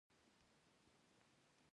عمل د خبرو ثبوت دی